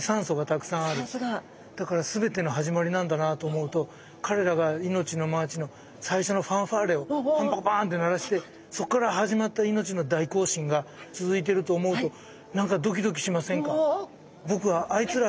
だから全ての始まりなんだなと思うと彼らが命のマーチの最初のファンファーレをパンパカパンって鳴らしてそっから始まった命の大行進が続いてると思うと何かドキドキしませんか？